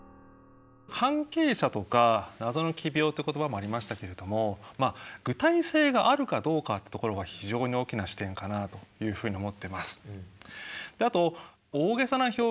「関係者」とか「謎の奇病」って言葉もありましたけれどもまあ具体性があるかどうかってところが非常に大きな視点かなというふうに思ってます。